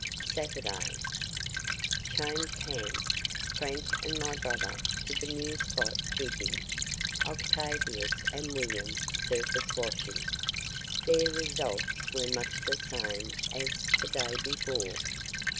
SATURDAY. Changed hands. Frank and my brother to the new spot, digging. Octavius and William surface washing. There results were much the same as the day before.